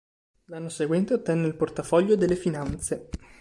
L'anno seguente ottenne il portafoglio delle Finanze.